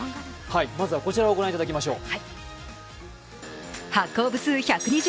まずはこちらご覧いただきましょう。